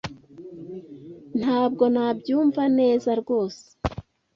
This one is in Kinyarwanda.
Ntabwo nabyumva neza rose